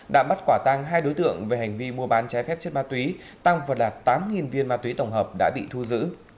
đã bắt quả tăng hai đối tượng về hành vi mua bán trái phép chất ma túy tăng vật là tám viên ma túy tổng hợp đã bị thu giữ